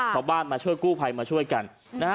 ครอบบ้านมาช่วยกู้ภัยมาช่วยกัน